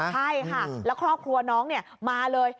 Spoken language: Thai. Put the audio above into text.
ใช่ค่ะแล้วครอบครัวน้องมาเลย